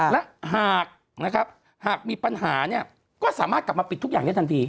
และหากนะครับหากมีปัญหาเนี่ยก็สามารถกลับมาปิดทุกอย่างได้ทันที